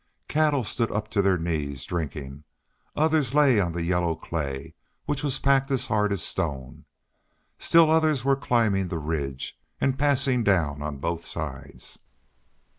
Cattle stood up to their knees drinking; others lay on the yellow clay, which was packed as hard as stone; still others were climbing the ridge and passing down on both sides.